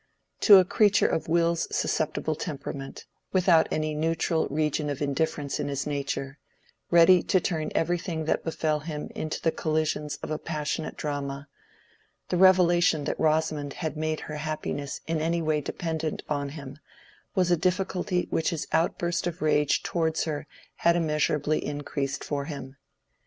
To a creature of Will's susceptible temperament—without any neutral region of indifference in his nature, ready to turn everything that befell him into the collisions of a passionate drama—the revelation that Rosamond had made her happiness in any way dependent on him was a difficulty which his outburst of rage towards her had immeasurably increased for him.